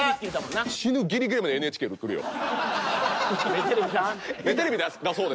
「目テレビさん」。